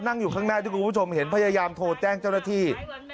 อยู่ข้างหน้าที่คุณผู้ชมเห็นพยายามโทรแจ้งเจ้าหน้าที่